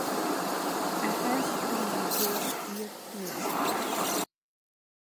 Ehhez Rónay György írt méltatást.